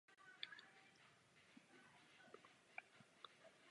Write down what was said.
Pro výrobu piva je využívána voda z vlastního zdroje.